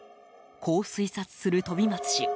こう推察する飛松氏。